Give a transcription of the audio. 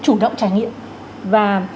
chủ động trải nghiệm và